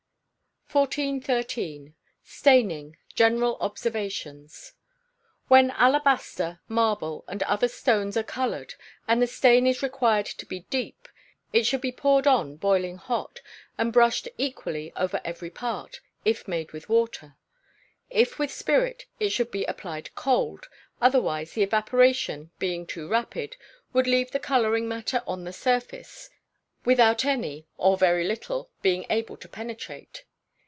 ] 1413. Staining. General Observations. When alabaster, marble, and other stones are coloured, and the stain is required to be deep, it should be poured on boiling hot, and brushed equally over every part, if made with water; if with spirit, it should be applied cold, otherwise the evaporation, being too rapid, would leave the colouring matter on the surface, without any, or very little, being able to penetrate.